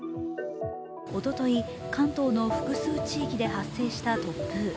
おととい、関東の複数地域で発生した突風。